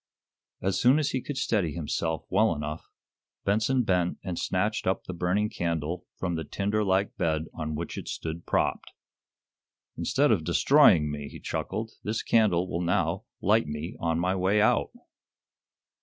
As soon as he could steady himself well enough, Benson bent and snatched up the burning candle from the tinder like bed on which it stood propped. "Instead of destroying me," he chuckled, "this candle will now light me on my way out."